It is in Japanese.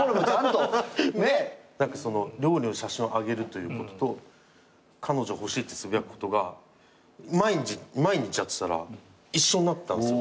何かその料理の写真を上げるということと「彼女欲しい」ってつぶやくことが毎日毎日やってたら一緒になったんですよ